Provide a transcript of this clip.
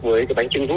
với cái bánh trưng vô